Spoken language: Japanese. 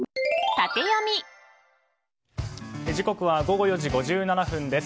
時刻は午後４時５７分です。